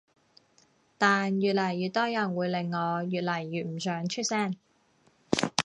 但越嚟越多人會令我越嚟越唔想出聲